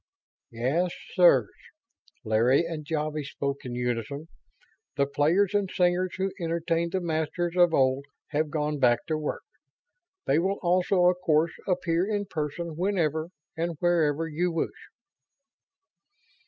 "Yes, sirs," Larry and Javvy spoke in unison. "The players and singers who entertained the Masters of old have gone back to work. They will also, of course, appear in person whenever and wherever you wish."